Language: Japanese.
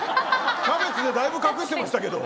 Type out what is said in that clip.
キャベツでだいぶ隠してましたけど。